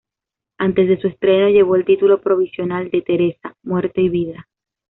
Antes de su estreno, llevó el título provisional de Teresa: muerte y vida.